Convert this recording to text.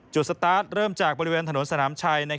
สตาร์ทเริ่มจากบริเวณถนนสนามชัย